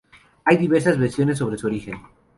Hay diversas versiones sobre su origen.